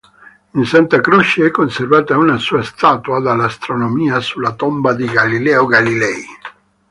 In Santa Croce è conservata una sua statua dell"'Astronomia" sulla tomba di Galileo Galilei.